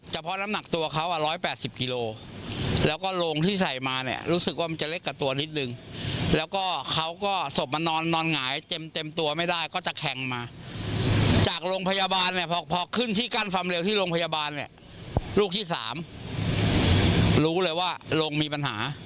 เพราะน้ำหนักตัวเขา๑๘๐กิโลแล้วก็โรงที่ใส่มาเนี่ยรู้สึกว่ามันจะเล็กกับตัวนิดนึงแล้วก็เขาก็ศพมันนอนหงายเต็มตัวไม่ได้ก็จะแข่งมาจากโรงพยาบาลเนี่ยพอขึ้นที่กั้นความเร็วที่โรงพยาบาลเนี่ยลูกที่๓รู้เลยว่าโรงมีปัญหา